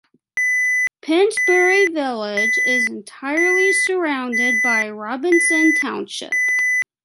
Pennsbury Village is entirely surrounded by Robinson Township.